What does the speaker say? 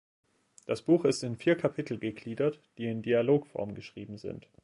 Das Buch ist in vier Kapitel gegliedert, die in Dialogform geschrieben sind.